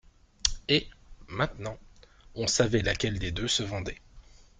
Et, maintenant, on savait laquelle des deux se vendait.